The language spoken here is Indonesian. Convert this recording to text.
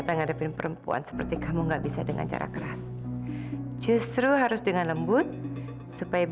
sampai jumpa di video selanjutnya